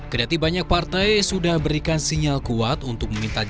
kedati banyak partai sudah berikan sinyal kuat untuk meminta